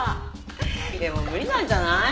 でも無理なんじゃない？